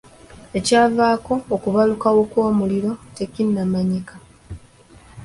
Ekyavaako okubalukawo kw'omuliro tekinnamanyika.